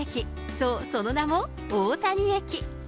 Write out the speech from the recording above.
そう、その名も大谷駅。